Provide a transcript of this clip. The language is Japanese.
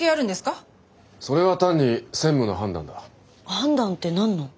判断って何の？